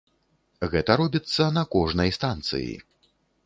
Гэта робіцца на кожнай станцыі.